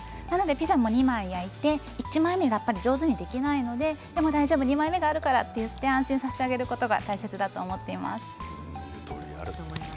ピザも２枚焼いて１枚目、上手にできないので大丈夫、２枚目があるからと言って安心させてあげることが大事だと思っています。